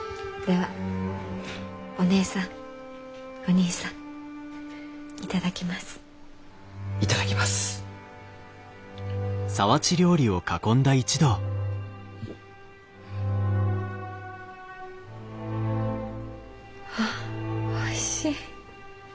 はあおいしい。